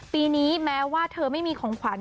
ปีนี้แม้ว่าเธอไม่มีของขวัญ